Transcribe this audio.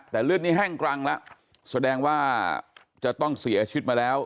แต่เลือดนี้แห้งกรังแล้วแสดงว่าจะต้องเสียชีวิตมาแล้ว